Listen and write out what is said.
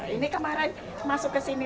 ini kemarin masuk ke sini